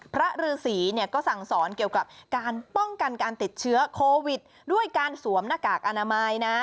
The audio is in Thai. ฤษีเนี่ยก็สั่งสอนเกี่ยวกับการป้องกันการติดเชื้อโควิดด้วยการสวมหน้ากากอนามัยนะ